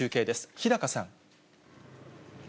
日高さん。